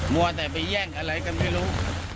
มัวแต่ไปแย่งอะไรกันไม่รู้